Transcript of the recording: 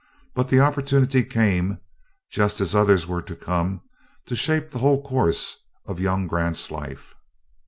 But the opportunity came just as others were to come, to shape the whole course of young Grant's life.